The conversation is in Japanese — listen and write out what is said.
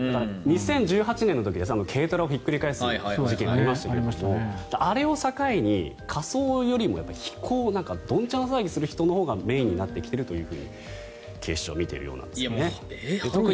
２０１８年の時軽トラをひっくり返す事件がありましたけれどあれを境に、仮装よりも非行ドンチャン騒ぎする人のほうがメインになってきていると警視庁は見ているようです。